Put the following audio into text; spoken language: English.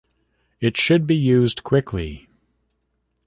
It should be used quickly.